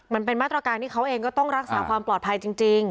มันเป็นมาตรการที่เขาเองก็ต้องรักษาความปลอดภัยจริง